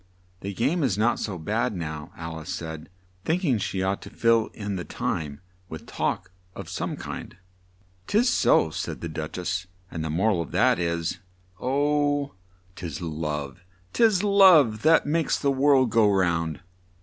"The game is not so bad now," Al ice said, think ing she ought to fill in the time with talk of some kind. "'Tis so," said the Duch ess, "and the mor al of that is 'Oh, 'tis love, 'tis love, that makes the world go round!'"